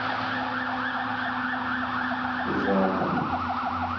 Zeɛḍen.